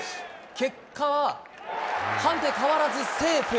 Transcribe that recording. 結果は判定変わらず、セーフ。